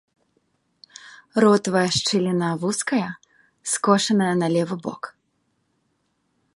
Ротавая шчыліна вузкая, скошаная на левы бок.